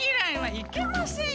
いけません！